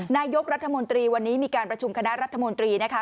นายกรัฐมนตรีวันนี้มีการประชุมคณะรัฐมนตรีนะคะ